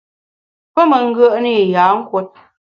Pe me ngùe’ne i yâ nkùot.